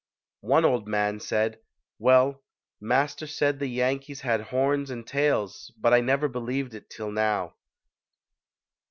One old man said, "Well, Master said the Yankees had horns and tails but I never believed it till now".